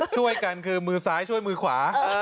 ช่วยกันคือมือซ้ายช่วยมือขวา